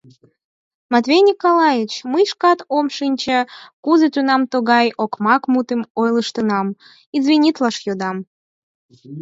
— Матвей Николаевич, мый шкат ом шинче, кузе тунам тугай окмак мутым ойлыштынам, Извинитлаш йодам...